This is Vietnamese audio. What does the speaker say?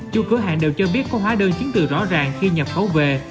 chú cửa hàng đều cho biết có hóa đơn chính từ rõ ràng khi nhập khấu về